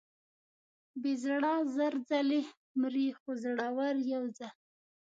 بې زړه زر ځلې مري، خو زړور یو ځل.